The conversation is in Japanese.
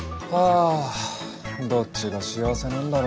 あどっちが幸せなんだろうな。